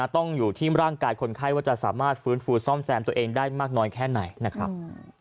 ต้องอยู่ที่ร่างกายคนไข้ว่าจะสามารถฟื้นฟูซ่อมแซมตัวเองได้มากน้อยแค่ไหนนะครับ